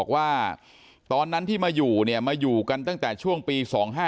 ว่าตอนนั้นที่มาอยู่มาอยู่กันตั้งแต่ช่วงปี๒๕๑๘